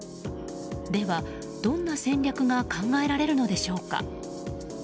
では、どんな戦略が考えられるのでしょうか。